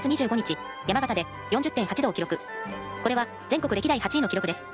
これは全国歴代８位の記録です。